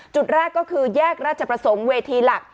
จุดแรกก็คือแยกราชประสงค์เวทีหลัก